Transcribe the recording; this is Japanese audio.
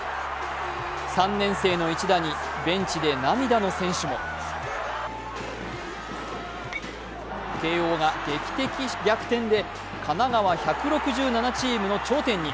３年生の一打にベンチで涙の選手も慶応が劇的逆転で神奈川１６７チームの頂点に。